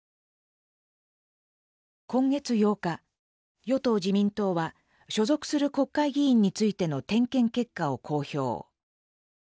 今月８日与党・自民党は所属する国会議員についての点検結果を公表。